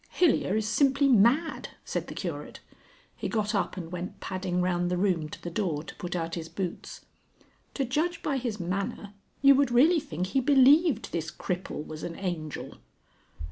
"Hilyer is simply mad," said the Curate. He got up and went padding round the room to the door to put out his boots. "To judge by his manner you would really think he believed this cripple was an Angel."